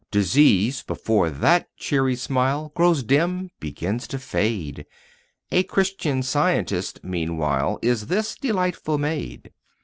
Disease before that cheery smile Grows dim, begins to fade. A Christian scientist, meanwhile, Is this delightful maid.